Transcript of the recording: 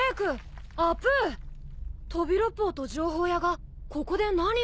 飛び六胞と情報屋がここで何を。